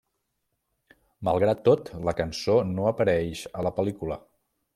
Malgrat tot, la cançó no apareix a la pel·lícula.